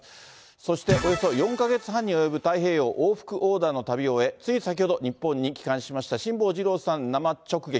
そして、およそ４か月半に及ぶ太平洋往復横断の旅を終え、つい先ほど、日本に帰還しました辛坊治郎さん、生直撃。